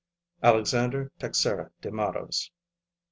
Alexander Teixeira de Mattos.